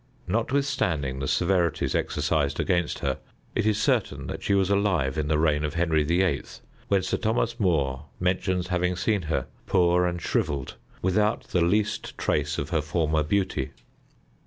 Notwithstanding the severities exercised against her, it is certain that she was alive in the reign of Henry VIII., when Sir Thomas More mentions having seen her, poor and shriveled, without the least trace of her former beauty.